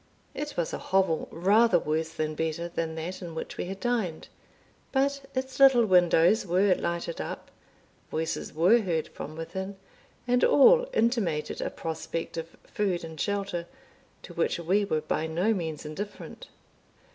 It was a hovel rather worse than better than that in which we had dined; but its little windows were lighted up, voices were heard from within, and all intimated a prospect of food and shelter, to which we were by no means indifferent.